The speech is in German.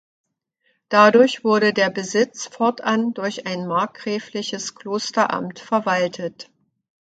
Dadurch wurde der Besitz fortan durch ein markgräfliches Klosteramt verwaltet.